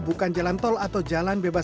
bukan jalan tol atau jalan bebas